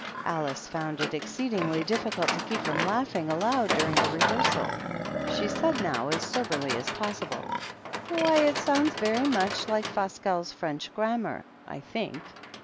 Alice had found it exceedingly difficult to keep from laughing aloud during the rehearsal. She said now, as soberly as possible, " Why, it sounds very much like Fasquelle's French Grammar, I think."